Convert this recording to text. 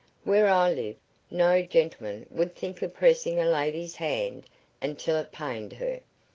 Where I live, no gentleman would think of pressing a lady's hand until it pained her.